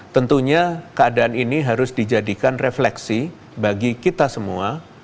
tentunya keadaan ini harus dijadikan refleksi bagi kita semua